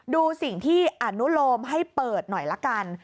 ดูสิ่งที่อนุโลมให้เปิดหน่อยละกัน